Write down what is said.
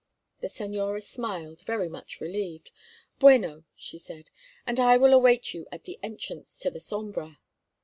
The señora smiled, very much relieved. "Bueno," she said. "And I will await you at the entrance to the sombra."